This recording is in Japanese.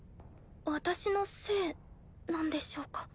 私のせいなんでしょうか？